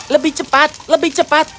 lebih cepat lebih cepat